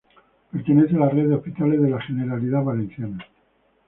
Pertenece a la red de hospitales de la Generalidad Valenciana.